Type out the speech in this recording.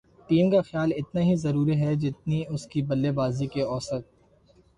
team کا خیال اتنا ہی ضروری ہے جتنی اس کی بلےبازی کی اوسط